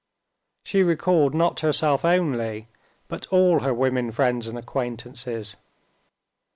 She recalled not herself only, but all her women friends and acquaintances.